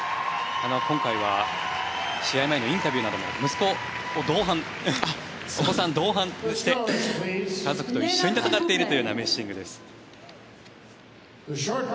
今回は試合前のインタビューなども息子同伴、お子さん同伴して家族と一緒に戦っているというメッシングです。